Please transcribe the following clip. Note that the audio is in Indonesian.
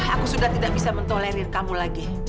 aku sudah tidak bisa mentolerir kamu lagi